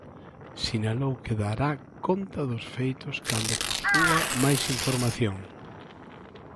Sinalou que dará conta dos feitos cando posúa máis información.